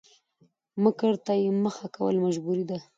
مکر ته يې مخه کول مجبوري ده؛